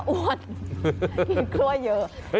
ก็อ้วนกินข้วเยอะ